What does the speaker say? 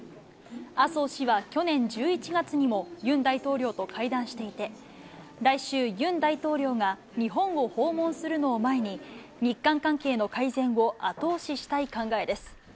麻生氏は去年１１月にも、ユン大統領と会談していて、来週、ユン大統領が日本を訪問するのを前に、日韓関係の改善を後押ししたい考えです。